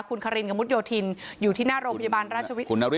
คุณคารินกระมุดโยธินอยู่ที่หน้าโรงพยาบาลราชวิทยุ